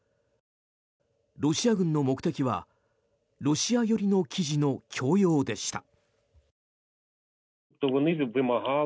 ロシア軍の目的はロシア寄りの記事の強要でした。